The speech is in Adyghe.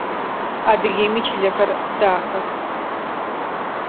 Адыгеим ичылэхэр дахэх.